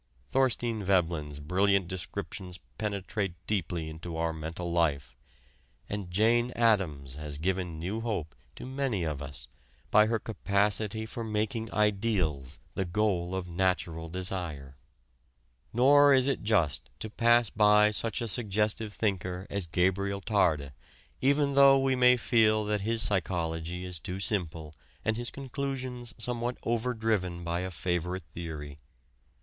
Thorstein Veblen's brilliant descriptions penetrate deeply into our mental life, and Jane Addams has given new hope to many of us by her capacity for making ideals the goal of natural desire. Nor is it just to pass by such a suggestive thinker as Gabriel Tarde, even though we may feel that his psychology is too simple and his conclusions somewhat overdriven by a favorite theory.